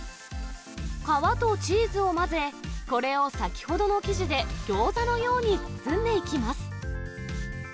皮とチーズを混ぜ、これを先ほどの生地で、ギョーザのように包んでいきます。